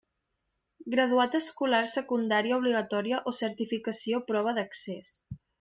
Graduat escolar secundària obligatòria o certificació prova d'accés.